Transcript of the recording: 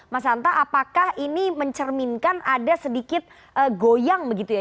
mas hanta apakah ini mencerminkan ada sedikit goyang begitu ya